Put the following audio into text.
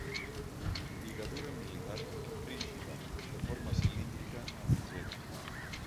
Lligadura militar rígida, de forma cilíndrica, amb visera.